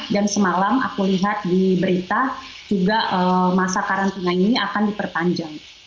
dan semalam aku lihat di berita juga masa karantina ini akan diperpanjang